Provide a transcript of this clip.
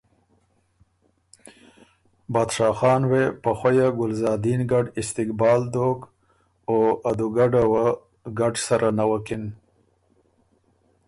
بادشاه خان وې په خویه ګلزادین ګډ استقبال دوک او ا دُوګډه وه ګډ سره نوکِن